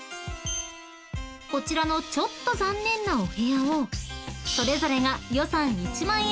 ［こちらのちょっと残念なお部屋をそれぞれが］